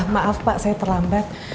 maaf pak saya terlambat